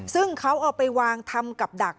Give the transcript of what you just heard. ซึ่งเขาเอาไปวางทำกับดัก